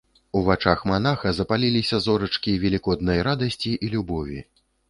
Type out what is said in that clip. У вачах манаха запаліліся зорачкі велікоднай радасці і любові.